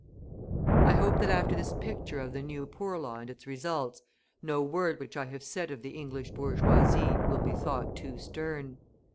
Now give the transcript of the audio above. I hope that after this picture of the New Poor Law and its results, no word which I have said of the English bourgeoisie will be thought too stern.